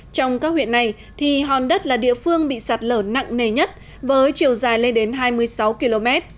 trong các huyện này hòn đất là địa phương bị sạt lở nặng nề nhất với chiều dài lên đến hai mươi sáu km